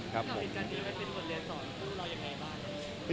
ครับผม